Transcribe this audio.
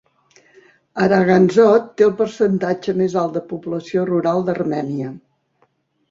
Aragadzotn té el percentatge més alt de població rural d'Armènia.